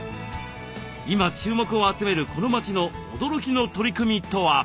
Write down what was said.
今注目を集めるこの町の驚きの取り組みとは？